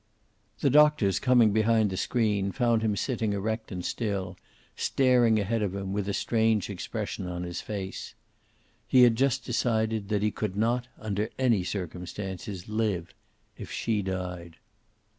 The doctors, coming behind the screen, found him sitting erect and still, staring ahead of him, with a strange expression on his face. He had just decided that he could not, under any circumstances, live if she died.